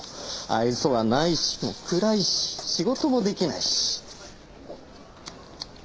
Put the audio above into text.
愛想はないし暗いし仕事もできないし。